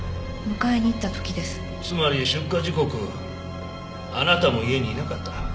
つまり出火時刻あなたも家にいなかった？